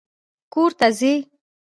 کور ته ځې!